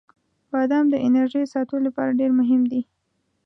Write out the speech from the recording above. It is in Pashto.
• بادام د انرژۍ ساتلو لپاره ډیر مهم دی.